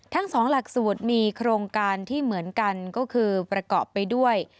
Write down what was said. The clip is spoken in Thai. ทั้งสองหลักสูตรมีโครงการที่เหมือนกันก็คือประกอบไปด้วย